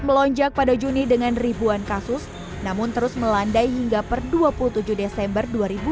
melonjak pada juni dengan ribuan kasus namun terus melandai hingga per dua puluh tujuh desember dua ribu dua puluh